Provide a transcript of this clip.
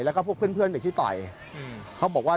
แล้วก็เพื่อนเดี๋ยวที่ต่อยเขาตามว่า